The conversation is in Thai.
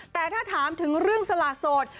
แต่ถ้าถามถึงเรื่องสละโสด